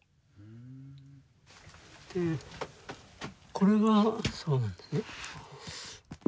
これがそうなんですね。